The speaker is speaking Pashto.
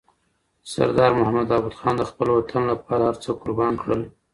سردار محمد داود خان د خپل وطن لپاره هر څه قربان کړل.